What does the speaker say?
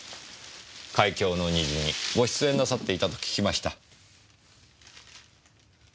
『海峡の虹』にご出演なさっていたと聞きました。